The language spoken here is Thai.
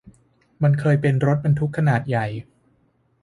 มันเคยเป็นรถบรรทุกขนาดใหญ่